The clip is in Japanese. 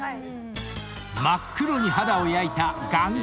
［真っ黒に肌を焼いた］